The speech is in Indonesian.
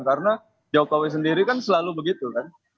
karena jokowi sendiri kan selalu begitu kan